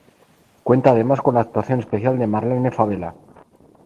Cuenta además con la actuación especial de Marlene Favela.